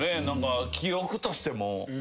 何か記憶としても。